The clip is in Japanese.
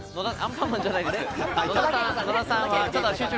野田さんは？